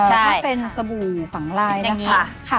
ถ้าเป็นสมบูรณ์ฝังลายนะคะ